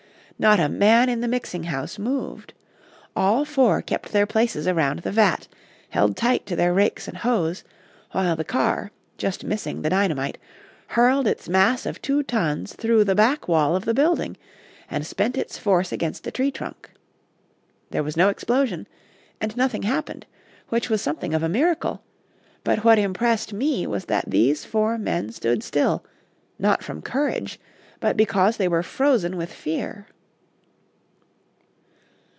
Not a man in the mixing house moved. All four kept their places around the vat, held tight to their rakes and hoes, while the car, just missing the dynamite, hurled its mass of two tons through the back wall of the building, and spent its force against a tree trunk. There was no explosion, and nothing happened, which was something of a miracle; but what impressed me was that these four men stood still, not from courage, but because they were frozen with fear! [Illustration: "A SWIFT, HEAVY CAR WAS PLUNGING TOWARD THE OPEN DOOR."